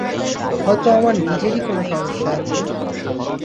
হয়তো আমার নিজেরই কোনো সমস্যা আছে।